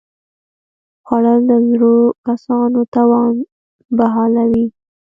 خوړل د زړو کسانو توان بحالوي